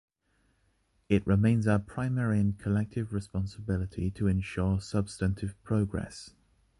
It remains our primary and collective responsibility to ensure substantive progress.